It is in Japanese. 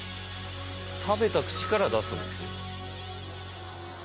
食べた口から出す。